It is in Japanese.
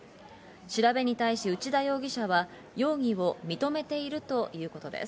調べに対し、内田容疑者は容疑を認めているということです。